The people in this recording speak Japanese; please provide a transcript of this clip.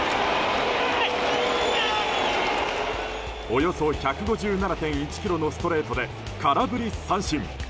およそ１５７．１キロのストレートで空振り三振。